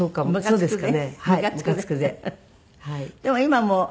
そうですか。